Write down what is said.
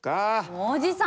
おじさん！